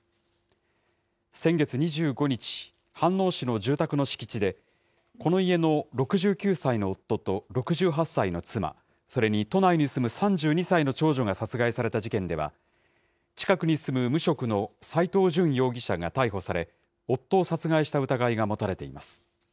先月２５日、飯能市の住宅の敷地で、この家の６９歳の夫と６８歳の妻、それに都内に住む３２歳の長女が殺害された事件では、近くに住む無職の斎藤淳容疑者が逮捕され、夫を殺害した疑いが持たれています。